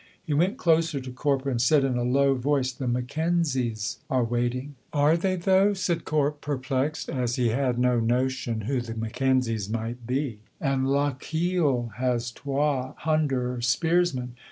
He went closer to Corp, and said, in a low voice, "The McKenzies are waiting!" "Are they, though?" said Corp, perplexed, as he had no notion who the McKenzies might be. "And Lochiel has twa hunder spearsmen."